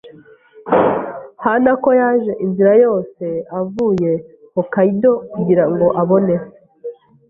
Hanako yaje inzira yose avuye Hokkaido kugirango abone se.